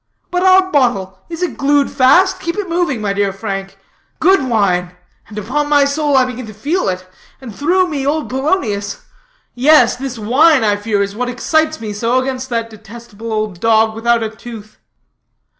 But our bottle; is it glued fast? Keep it moving, my dear Frank. Good wine, and upon my soul I begin to feel it, and through me old Polonius yes, this wine, I fear, is what excites me so against that detestable old dog without a tooth."